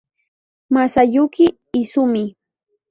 Masayuki Izumi